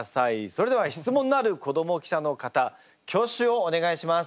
それでは質問のある子ども記者の方挙手をお願いします。